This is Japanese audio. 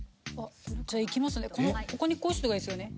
じゃあいきますね。